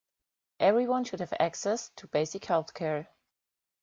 Everyone should have access to basic health-care.